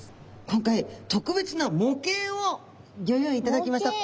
今回特別な模型をギョ用意いただきました。